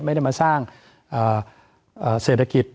ไม่ได้มาสร้างเศรษฐกิจ